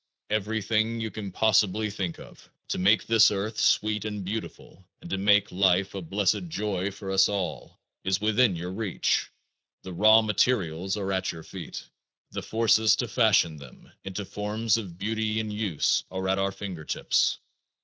Everything you can possibly think of to make this earth sweet and beautiful and to make life a blessed joy for us all is within our reach. The raw materials are at our feet; the forces to fashion them into forms of beauty and use are at our finger tips.